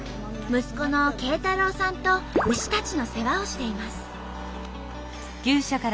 息子の佳大朗さんと牛たちの世話をしています。